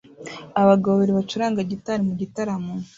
Abagabo babiri bacuranga gitari mu gitaramo